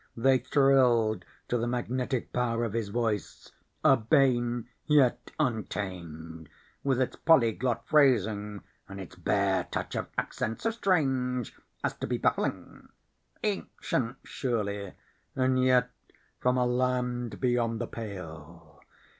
They thrilled to the magnetic power of his voice, urbane yet untamed, with its polyglot phrasing and its bare touch of accent so strange as to be baffling; ancient, surely, and yet from a land beyond the Pale.